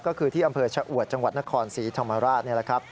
ก็คือที่อำเภอชะอวดจังหวัดนครศรีธรรมราชนี่แหละครับ